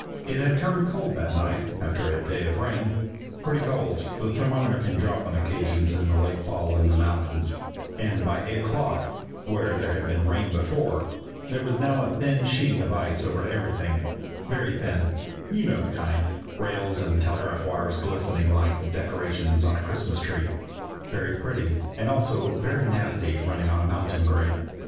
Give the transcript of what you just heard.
It had turned cold that night, after a day of rain. Pretty cold the thermometer can drop on occasions in the late fall in the mountains and by eight o'clock, where there had been rain before, there was now a thin sheeting of ice over everything very thin you know the kind rails and telegraph wires glistening like the decorations on a Christmas tree very pretty and also very nasty running on a mountain grade.